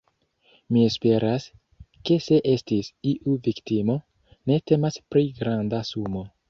Mi esperas ke se estis iu viktimo, ne temas pri granda sumo.